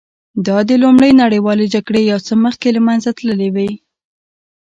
دا د لومړۍ نړیوالې جګړې یو څه مخکې له منځه تللې وې